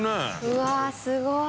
うわっすごい。